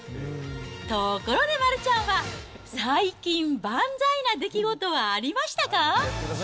ところで丸ちゃんは、最近、万歳な出来事はありましたか？